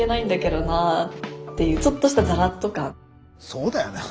そうだよな。